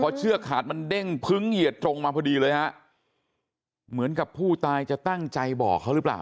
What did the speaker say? เชือกขาดมันเด้งพึ้งเหยียดตรงมาพอดีเลยฮะเหมือนกับผู้ตายจะตั้งใจบอกเขาหรือเปล่า